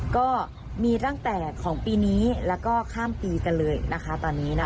ก็มีตั้งแต่ของปีนี้แล้วก็ข้ามปีกันเลยนะคะตอนนี้นะคะ